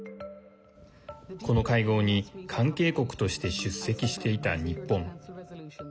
この会合に関係国として出席していた日本。